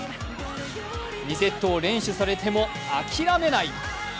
２セットを連取されても諦めない。